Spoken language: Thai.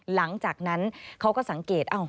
หลังจากนั้นเขาก็สังเกต